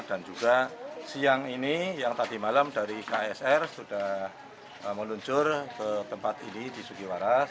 dan juga siang ini yang tadi malam dari ksr sudah meluncur ke tempat ini di sukiwaras